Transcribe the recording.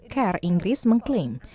social care inggris mengklaim